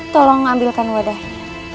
tolong ambilkan wadahnya